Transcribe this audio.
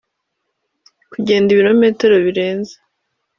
kugenda ibirometero birenze.